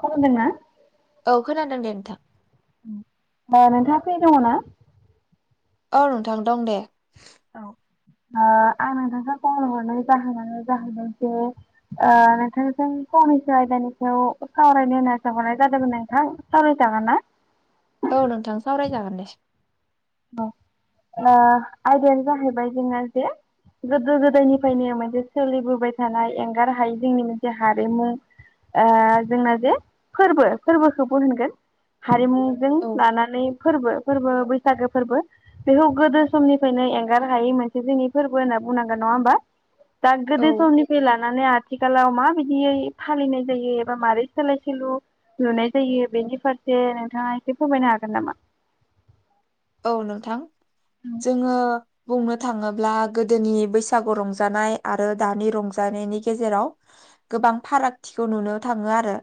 खबर दोना औ खोनादों दे नोंथां नोंथाङा फ्रि दङ ना औ नोंथां दं दे। औ ओ आं नोंथांखौ खबर हरनाय जाहोनानो जाहै [unintelligible] ओ नोंथांजों फंनैसो आयदानि सायाव सावरायनो होनना आसा हरनाय जादोंमोन नोंथां सावराय छापों जाङा ना औ नोंथां सोावरायजागोन दे औ ओ आयदायानो जाहैबाय जोंना जे गोदो गोदायनिफ्रायनो मोनसे सोलिबोबाय थानाय एंगार हायि जोंनि मोनसे हारिमु ओ जोंना जे फोरबो फोरबोखौबो होनगोन हारिमु जों औ लानानै फोरबो फोरबो बैसागो फोरबो बेखौ गोदो समनिफ्रायनो एंगार हायै मोनसे जोंनि फोरबो होनना बुंनांगोन नङा होमबा? दाग औ गोदो समनिफ्राय लानानै आथिखालाव मा बादियै फालिनाय जायो एबा मारै सोलाय सोलु नुनाय जायो बेनि फारसे नोंथाङा एसे फोरमायनो हागोन नामा? औ नोंथां जोङो बुंनो थाङोब्ला गोदोनि बैसागु रंजानाय आरो दानि रंजानायनि गेजेराव गोबां फारागथिखौ नुनो थाङो आरो।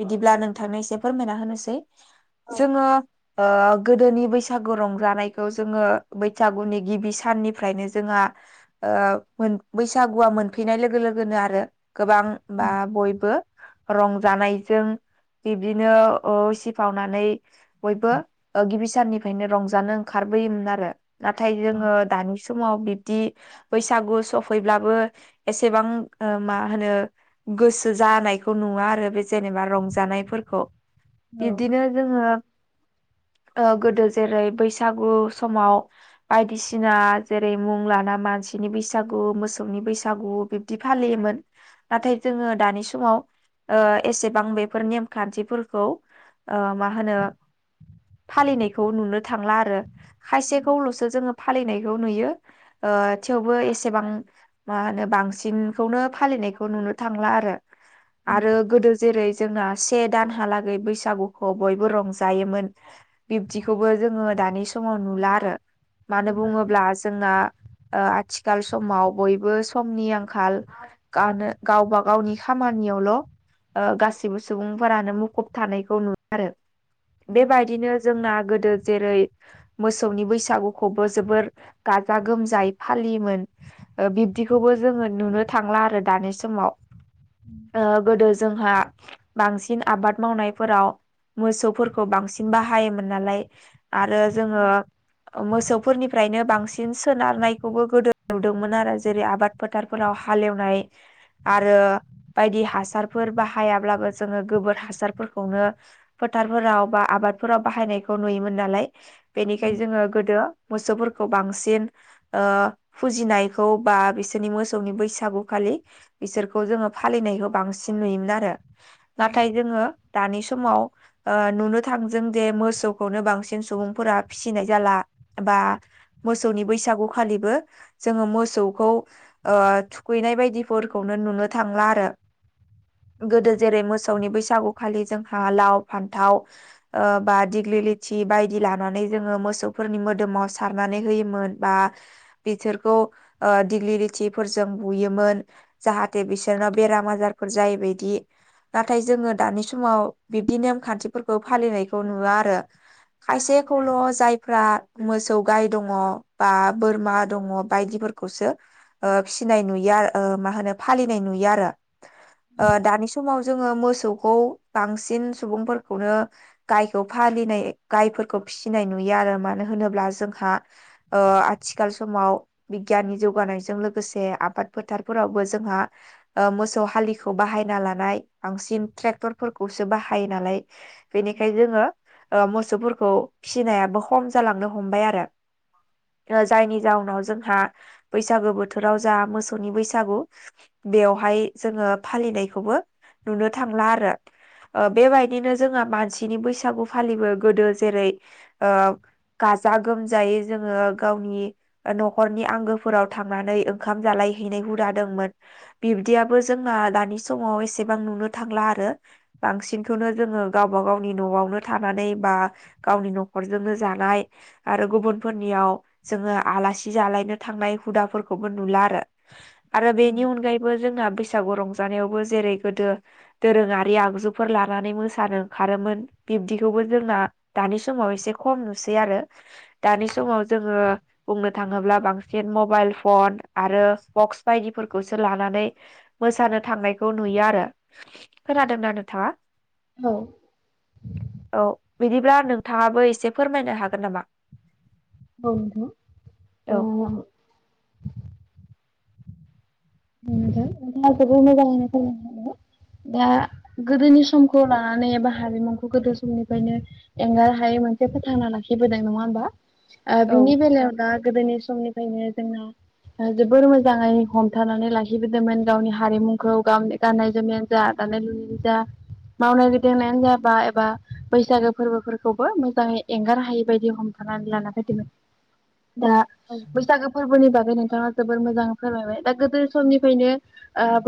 बिदिब्ला नोंथांनो एसे फोरमायना होनोसै। औ जोङो ओ गोदोनि बैसागु रंजानायखौ जोङो बैसागुनि गिबि साननिफ्रायनो जोंहा ओ मोन बैसागुआ मोनफैनाय लोगो लोगोनो आरो गोबां बा बयबो रंजानायजों बिब्दिनो ओ उसिफावनानै बयबो गिबि साननिफ्रायनो रंजानो ओंखारबोयोमोन आरो। नाथाय जोङो दानि समाव बिब दि बैसागु सफैब्लाबो एसेबां मा होनो गोसो जानायखौ नुवा आरो बे जेनेबा रंजानायफोरखौ। बिब्दिनो जोङो ओ गोदो जेरै बैसागु समाव बायदिसिना जेरै मुं लाना मानसिनि बैसागु मोसौनि बैसागु बिब दि फालियोमोन। नाथाय जोङो दानि समाव एसेबां बेफोर नेमखान्थिफोरखौ ओ मा होनो फालिनायखौ नुनो थांला आरो, खायसेखौल'सो जोङो फालिनायखौ नुयो। ओ थेवबो एसेबां मा होनो बांसिनखौनो फालिनायखौ नुनो थांला आरो। आरो गोदो जेरै जोंना से दानहालागै बैसागुखौ बयबो रंजायोमोन बिब्दिखौबो जोङो दानि समाव नुला आरो मानो बुङोब्ला जोंना आथिखाल समाव बयबो समनि आंखाल गानो गावबा गावनि खामानियावल' गासिबो सुबुंफोरानो मुखुब थानायखौ नुदों आरो। बेबायदि बिदिनो जोंना गोदो जेरै मोसौनि बैसागुखौबो जोबोर गाजा गोमजायै फालियोमोन। ओ बिब्दिखौबो जोङो नुनो थांला आरो दानि समाव। ओ गोदो जोंहा बांसिन आबाद मावनायफोराव मोसौफोरखौ बांसिन बाहायोमोन नालाय आरो जोङो मोसौफोरनि फ्रायनो बांसिन सोनारनायखौबो गोदो नुदोंमोन आरो जेरै आबाद फोथारफोराव हालेवनाय आरो बायदि हासारफोर बाहायाब्लाबो जोङो गोबोर हासारफोरखौनो फोथारफोराव बा आबादफोराव बाहायनायखौ नुयोमोन नालाय, बेनिखाय जोङो गोदो मोसौफोरखौ बांसिन ओ फुजिनायखौ बा बिसोरनि मोसौनि बैसागुखालि बिसोरखौ जोङो फालिनायखौ बांसिन नुयोमोन आरो। नाथाय जोङो दानि समाव ओ नुनो थां दों जे मोसौखौनो बांसिन सुबुंफोरा फिसिनाय जाला बा मोसौनि बैसागुखालिबो जोङो मोसौखौ ओ थुखैनाय बायदिफोरखौनो नुनो थांला आरो। गोदो जेरै मोसौनि बैसागुखालि जोंहा लाव फान्थाव ओ बा दिग्लि लथि बायदि लानानै जोङो मोसौफोरनि मोदोमाव सारनानै होयोमोन बा बिसोरखौ ओ दिग्लि लिथिफोरजों बुयोमोन जाहाथे बिसोरनाव बेराम आजारफोर जायिबादि। नाथाय जोङो दानि समाव बिब्दि नेमखान्थिफोरखौ फालिनायखौ नुवा आरो। खायसेखौल' जायफ्रा मोसौ गाय दङ बा बोरमा दङ बायदिफोर खौसो फिनाय नुयो आरो मा होनो फालिनाय नुयो आरो। दानि समाव जोङो मोसौखौ बांसिन सुबुंफोरखौनो गायखौ फालिनाय गायफोरखौ फिसिनाय नुयो आरो मानो होनोब्ला जोंहा आथिखाल समाव बिगियाननि जौगानायजों लोगोसे आबाद फोथारफोरावबो जोंहा मोसौ हालिखौ बाहायना लानाय बांसिन ट्रेक्टरफोरखौसो बाहायो नालाय बेनि बेखायनो जोङो मोसौफोरखौ फिसिनायाबो खम जालांनो हमबाय आरो। जायनि जाउनाव जोंहा बैसागु बोथोराव जा मोसौनि बैसागु बेयावहाय जोङो फालिनायखौबो नुनो थांला आरो। बेबायदिनो जोंहा मानसिनि बैसागु फालिबो गोदो जेरै गाजा गोमजायै जोङो गावनि न'खरनि आंगोफोराव थांनानै ओंखाम जालायहैनाय हुदादोंंमोन। बिब्दियाबो जोंना दानि समाव एसेबां नुनो थांला आरो। बांसिनखौनो जोङो गावबा गाव गावनि न'आवनो थानानै बा गावनि न'खरजोंनो जानाय आरो गुबुनफोरनियाव जोङो आलासि जालायनो थांनाय हुदाफोरखौबो नुला आरो। आरो बेनि अनगायै बो जोंहा बैसागु रंजानायावबो जेरै गोदो दोरोङारि आगजुफोर लानानै मोसानो खारोमोन बिब्दिखौबो जोंना दानि समाव एसे खम नुसै आरो। दानि समाव जोङो बुंनो थाङोब्ला बांसिन मबाइल फन आरो बक्स बायदिफोरखौसो लानानै मोसानो थांनायखौ नुयो आरो खोनादोंना नोंथाङा? औ औ बिदिब्ला नोंथाङाबो एसे फोरमायनो हागोन नामा? औ नंगौ औ अ [unintelligible] दा गोदोनि समखौ लानानै एबा हारिेमुंखौ गोदो समनिफ्रायनो एंगार हायै मोनसे फोथांना लाखिबोदों नङा होमबा? औ बिनि बेलायाव दा गोदोनि समनिफ्रायनो जोंना जोबोर मोजाङै हम फोथानानै लाहिबोदोंमोन गावनि हारिमुखौ गावनि गाननाय जोमनायानो जा दानाय लुनाय जा। मावनाय गिदिंनायानो जाबा एबा बैसागो फोरबोफोरखौबो मोजाङै एंगार हायि बायदि हम थानानै लाना फायदोमोन। [unintelligible] दा औ बैसागो फोरबोनि बागै नोंथाङा जोबोर मोजां फोरमायबाय दा गोदो समनिफ्रायनो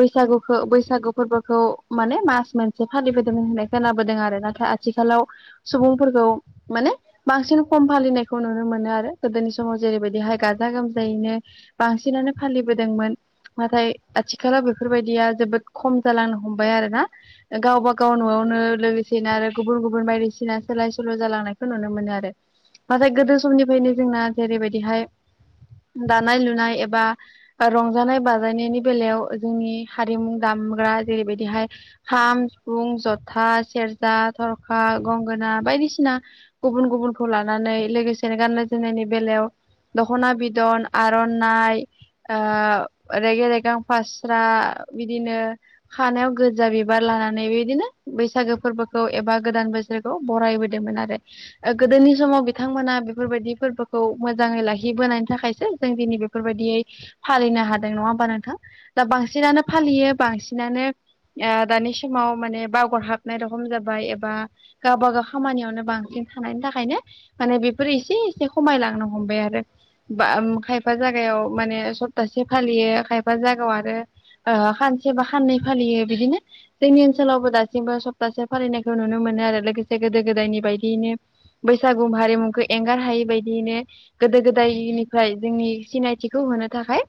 बैसागुखौ बैसागु फोरबोखौ माने मास मोनसे फालिबोदोंमोन होननाय खोनाबोदों आरो नाथाय आथिखालाव सुबुंफोरखौ माने बांसिन खम फालिनायखौ नुनो मोनो आरो गोदोनि समाव जेरैबायदिहाय गाजा गोमजायैनो बांसिनानो फालिबो नाथाय आथिखालाव बेफोरबायदिया जोबोद खम जालांनो हमबाय आरोना गावबा गाव न'आवनो लोगोसेनो आरो गुबुन गुबुन बायदिसिना सोलाय सोल' जालांनायखौ नुनो मोनो आरो। नाथाय गोदो समनिफ्रायनो जोंना जेरैबायदिहाय दानाय लुनाय एबा रंजानाय बाजानायनायनि बेलायाव जोंनि हारिमु दामग्रा जेरैबायदिहाय खाम सिफुं जथा सेरजा थरखा गंगोना बायदिसिना गुबुन गुबुनखौ लानानै लोगोसेनो गाननाय जोमनायनि बेलायाव दख'ना बिदन आर'नाइ ओ रेगे रेगें फास्रा बिदिनो खानायाव गोजा बिबार लानानै बेदिनो बैसागो फोरबोखौ एबा गोदान बोस बिसोरखौ बरायबोदोंमोन आरो। गोदोनि समाव बिथांमोना बेफोरबायदि फोरबोखौ मोजाङै लाखिबोनायनि थाखायसो जों दिनै बे बेफोरबायदियै फालिनो हादों नङा होमबा? नोंथां दा बांसिनानो फालियो बांसिनानो ओ दानि समाव माने बावगार हाबनाय रखम जाबाय एबा गावबागाव खामानियावनो बांसिन थानायनि थाखायनो माने बेफोर एसे एसे खमायलांनो हमबाय आरो बा खायफा जागायाव माने सब सप्तासे फालियो खायफा जागायाव आरो ओ खानसे बा खाननै फालियो बिदिनो जोंनि ओनसोलावबो दासिमबो सप्तासे फालिनायखौ नुनो मोनो आरो लोगोसे गोदो गोदायनि बायदियैनो बैसागु हारिमुखौ एंगार हायि बायदियैनो गोदो गोदायनिफ्राय जोंनि सिनायथिखौ होनो थाखाय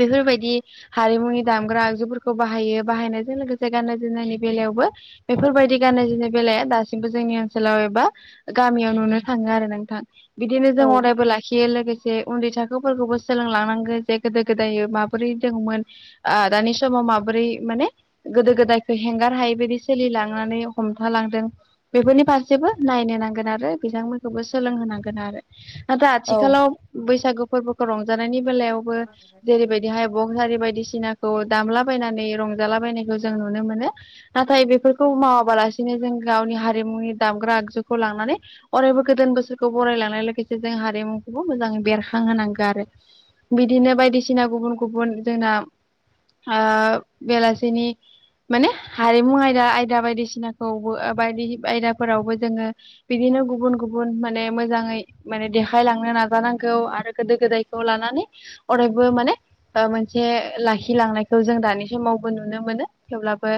बेफोरबायदि हारिमुनि दामग्रा आगजुफोरखौ बाहायो बाहायनायजों लोगोसे गान्नाय जोमनायनि बेलायावबो बेफोरबायदि गाननाय जोमनाय बेलाया दासिमबो जोंनि ओनसोलाव एबा गामियाव नुनो थाङो आरो नोंथां। बिदिनो औ जों अरायबो लाखियो लोगोसे उन्दै थाखोफोरखौबो सोलोंलांनांगोन। जे गोदो गोदाय माबोरै दङमोन ओ दानि समाव माबोरै माने गोदो गोदायखौ हेंगार हायैबायदि सोलिलांनानै हमथालांदों। बेफोरनि फारसेबो नायनो नांगोन आरो बिथांमोनखौबो सोलोंहोनांगोन आरो। नाथाय औ आथिखालाव बैसागु फोरबोखौ रंजानायनि बेलायाव जेरैबायदि हाय बग आरि बायदिसिना खौ दामलाबायनानै रंजालाबायनायखौ जों नुनो मोनो। नाथाय बेफोरखौ मावाबालासिनो जों गावनि हारिमुनि दामग्रा आगजुखौ लांनानै अरायबो गोदान बोसोरखौ बरायलांनाय लोगोसे जों हारिमुखौबो मोजाङै बेरखांहोनांगो आरो। बिदिनो बायदिसिना गुबुन गुबुन जोंना ओ बेलासिनि माने हारिमु आयदा आयदा बायदिसिनाखौबो बायदि आयदाफोरावबो जोंङो बिदिनो गुबुन गुबुन माने मोजाङै माने देखायलांनो नाजानांगौ। आरो गोदो गोदायखौ लानानै अरायबो माने मोनसे लाखिलांनायखौ जों दानि समावबो नुनो मोनो। थेवब्लाबो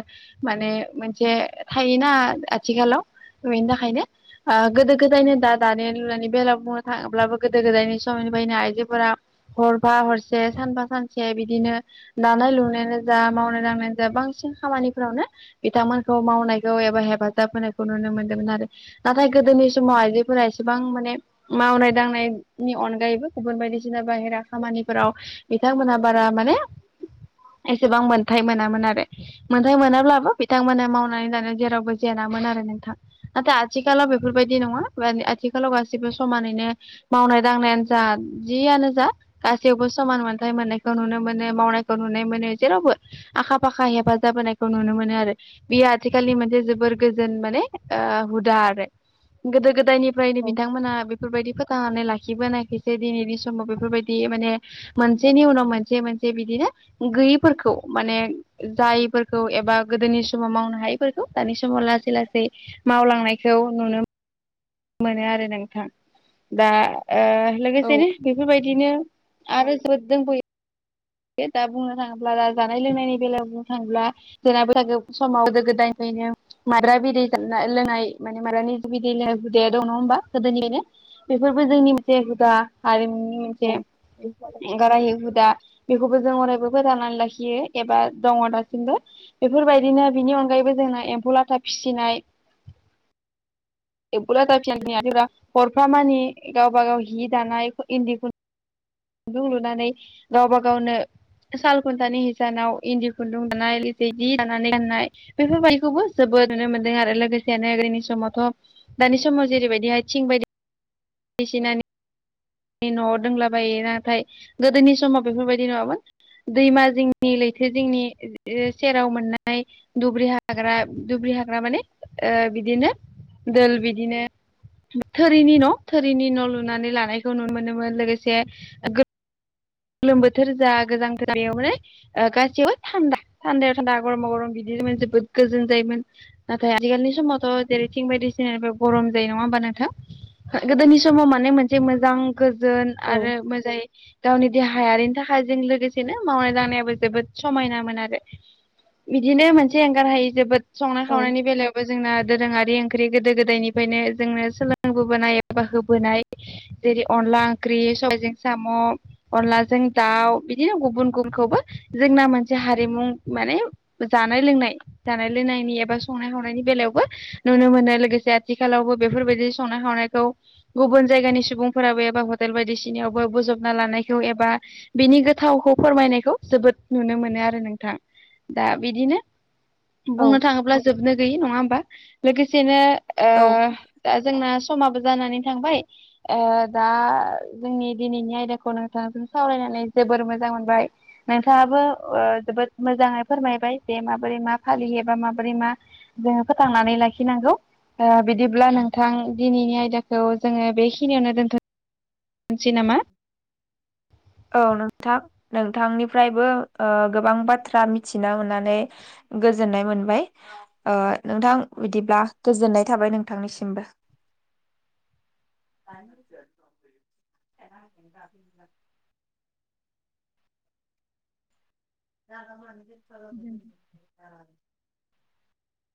माने मोनसे थायोना आथिखालाव बेनि थाखायनो ओ गोदो गोदायनो दा दानाय लुनायनि बेलायाव बुंनो थाङोब्लाबो गोदो गोदायनि समनिफ्रायनो आइजोफोरा सफा हरसे सानफा सानसे बिदिनो दानाय लुनायानो जा मावनाय दांनायानो जा बांसिन खामानिफोरावनो बिथांमोनखौ मावनायखौ एबा हेफाजाब होनायखौ नुनो मोनदोंमोन आरो। नाथाय गोदोनि समाव आइजोफोरा एसेबां माने मावनाय दांनायनि अनगायैबो गुबुन बायदिसिना बाहेरा खामानिफोराव बिथांमोना बारा माने एसेबां मोनथाय मोनामोन आरो। मोनथाय मोनाब्लाबो बिथांमोना मावनानै जानाय जेरावबो जेेनामोन आरो नोंथां। नाथाय आथिखालाव बेफोरबायदि नङा आथिखालाव गासिबो समानैनो मावनाय दांनायानो जा जियानो जा गासैयावबो समान मोनथाय मोननायखौ नुनो मोनो मावनायखौ नुनो मोनो जेरावबो। आखा फाखा हेफाजाब होनायखौ नुनो मोनो आरो। बेयो आथिखालनि मोनसे जोबोर गोजोन माने ओ हुदा आरो। गोदो गोदायनिफ्रायनो औ बिथांमोना बेफोरबायदि फोथांनानै लाखिबोनाय एसे दिनैनि समाव बेफोरबायदि माने मोनसेनि उनाव मोनसे मोनसे बिदिनो गैयिफोरखौ माने जायफोरखौ एबा गोदोनि समाव मावनो हायैफोरखौ दानि समाव लासै लासै मावलांनायखौ नुनो मोनो आरो नोंथां दा ओ लोगोसेनो बेफोरबायदिनो आरो ज दोंबोयो। बे दा बुंनो थाङोब्ला दा जानाय लोंनायनि बेलायाव बुंनो थाङोब्ला जोंना बैसागो समाव गोदो [inaudible] मायब्रा बिदै लोंनाय माने मायब्रानि बिदै लों हुदाया दं नङा होमबा गोदोनिफ्रायनो। बेफोरबो जोंनि मोनसे हुदा हारिमुनि मोनसे एंगारहायै हुदा। बेखौबो जों अरायबो फोथांनानै लाखियो एबा दङ दासिमबो। बेफोरबायदिनो बेनि अनगायैबो जोंना एम्फौ लाथा फिसिनाय। [unintelligible] मानि गावबा गाव हि दानाय इन्दि खुन खुन्दुं लुनानै गावबा गावनो साल खुन्थानि हिसानाव इन्दि खुन्दुं दानाय [unintelligible] दानानै गाननाय। बेफोरबायदिखौबो जोबोद नुनो मोन्दों आरो लोगोसेनो गोदोनि समावथ' दानि समाव जेरैबायदिहाय थिं बायदि बायदिसिनानि न' दोंलाबायो नाथाय गोदोनि समाव बेफोरबायदि नङामोन। दैमा जिंनि लैथो जिंनि ओ सेराव मोननाय दुब्रि हाग्रा दुब्रि हाग्रा माने ओ बिदिनो दोल बिदिनो थोरिनि न' थोरिनि न' लुनानै लानायखौ नुनो मोनोमोन लोगोसे गो गोलोम बोथोर जा गोजां [unintelligible] ओ गासैयावबो थान्दा थान्दायाव थान्दा गरमाव गरम बिदिनोमोन जोबोद गोजोन जायोमोन। नाथाय आथिखालनि समावथ' जेरै थिं बायदिसिनाफाय गरम जायो नङा होमबा नोंथां? गोदोनि समाव माने मोनसे मोजां गोजोन आरो मोजाङै गावनि देहायारिनि थाखाय जों लोगोसेनो मावनाय दांनायाबो जोबोद समायनामोन आरो। बिदिनो मोनसे एंगारहायि जोबोद संनाय औ खावनायनि बेलायाव बो जोंना दोरोङारि ओंख्रि गोदो गोदायनिफ्रायनो जोंनो सोलोंबोबोनाय एबा होबोनाय जेरै अनला ओंख्रि सबायजों साम' अनलाजों दाउ बिदिनो गुबुन गुबुनखौबो जोंना मोनसे हारिमुं माने जानाय लोंनाय जानाय लोंनायनि एबा संनाय खावनायनि बेलायावबो नुनो मोनो लोगोसे आथिखालावबो बेफोरबायदि संनाय खावनायखौ। गुबुन जायगानि सुबुंफोराबो एबा हटेल बायदिसिनायावबो बजबना लानाय खौ एबा बिनि गोथावखौ फोरमायनायखौ जोबोद नुनो मोनो आरो नोंथां। दा बिदिनो बुंनो औ थाङोब्ला जोबनो गैयि नङा होमबा लोगोसेनो ओ औ दा जोंना समाबो जानानै थांबाय ओ दा जोंनि दिनैनि आयदाखौ नों नोंथांजों सावरायनानै जोबोर मोजां मोनबाय। नोंथाङाबो ओ जोबोद मोजाङै फोरमायबाय जे माबोरै मा फालियो बा माबोरै मा जोङो फोथांनानै लाखिनांगौ। दा बिदिब्ला नोंथां दिनैनि आयदाखौ जोङो बेखिनियावनो दोनथ' सै नामा? औ नोंथां नोंथांनिफ्रायबो ओ गोबां बाथ्रा मिथिनो मोननानै गोजोननाय मोनबाय ओ नोंथां बिदिब्ला गोजोननाय थाबाय नोंथांनिसिमबो। [inaudible] [inaudible] दोन [inaudible]